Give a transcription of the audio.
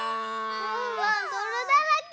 ワンワンどろだらけ。